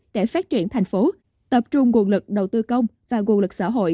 để phát triển thành phố tập trung nguồn lực đầu tư công và nguồn lực xã hội